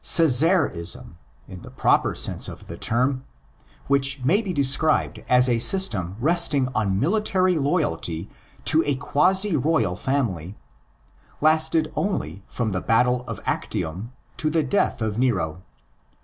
'' Cesarism "' in the proper sense of the term—which may be described as a system resting on military loyalty to a quasi royal family—lasted only from the battle of Actium to the death of Nero.